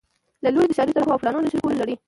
له لوري د ښاري طرحو او پلانونو د شریکولو لړۍ